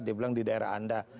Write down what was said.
dia bilang di daerah anda